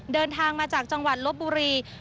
เดินทางมาจากจังหวัดลบบุรี